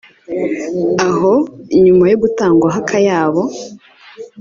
aho nyuma yo gutangwaho akayabo